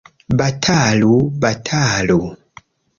Batalu! batalu!